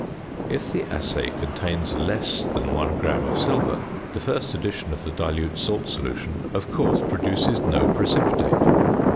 If the assay contains less than one gram of silver the first addition of the dilute salt solution of course produces no precipitate.